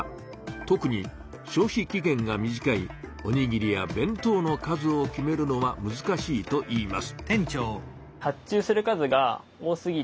特に消費期限が短いおにぎりや弁当の数を決めるのはむずかしいといいます。